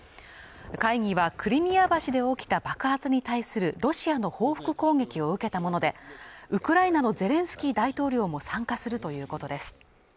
会議はクリミア橋で起きた爆発に対するロシアの報復攻撃を受けたものでウクライナのゼレンスキー大統領も参加するということです